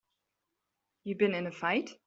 You been in a fight?